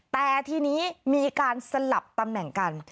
แต่ทีนี้มีการสลับตำแหน่งกัน